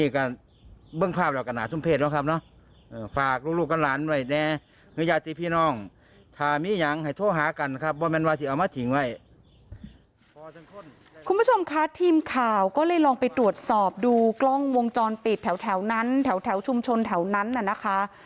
คุณผู้ชมคะทีมข่าวก็เลยลองไปตรวจสอบดูกล้องวงจรปิดแถวนั้นแถวชุมชนแถวนั้นน่ะนะคะ